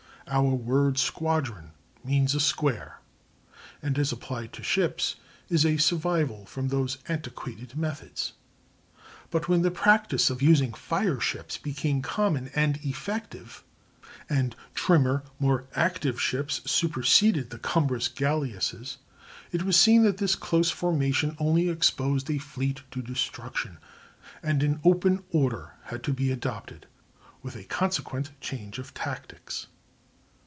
Our word squadron means a square, and, as applied to ships, is a survival from those antiquated methods. But when the practice of using fire ships became common and effective, and trimmer, more active ships superseded the cumbrous galleasses, it was seen that this close formation only exposed a fleet to destruction, and an open order had to be adopted, with a consequent change of tactics.